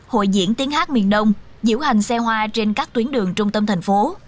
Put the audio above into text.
hội diễn tiếng hát miền đông diễu hành xe hoa trên các tuyến đường trung tâm thành phố